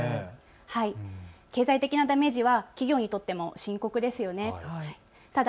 経済的なダメージは企業にとっても深刻ですよね。